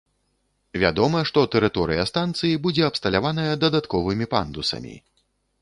Вядома, што тэрыторыя станцыі будзе абсталяваная дадатковымі пандусамі.